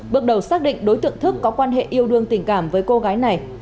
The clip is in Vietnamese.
bước đầu xác định đối tượng thức có quan hệ yêu đương tình cảm với cô gái này